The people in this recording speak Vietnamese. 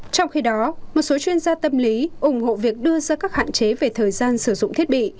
trong khi đó một số chuyên gia tâm lý ủng hộ việc đưa ra các hạn chế về thời gian sử dụng thiết bị